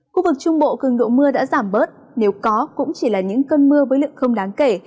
khu vực trung bộ cường độ mưa đã giảm bớt nếu có cũng chỉ là những cơn mưa với lượng không đáng kể